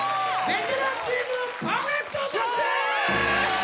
ベテランチームパーフェクト達成！